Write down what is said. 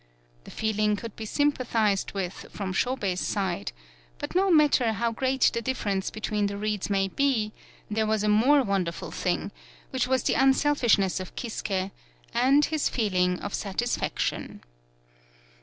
The feeling could be sympathized with from Shobei's side, but no matter how great the difference between the reeds may be, there was a more won derful thing, which was the unselfish ness of Kisuke and his feeling of satis faction.